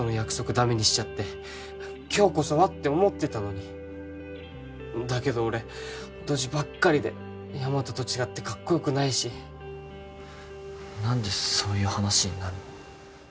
ダメにしちゃって今日こそはって思ってたのにだけど俺ドジばっかりでヤマトと違ってカッコよくないし何でそういう話になるの？